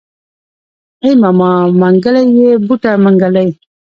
ای ماما منګلی يې بوته منګلی.